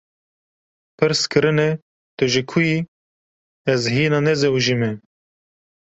Pirs kirine tu ji ku yî, ‘ez hîna nezewujime’